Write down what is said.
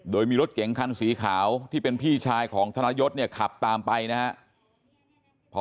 โดยมีรถเก๋งคันสีขาวที่เป็นพี่ชายของธนยศเนี่ยขับตามไปนะครับ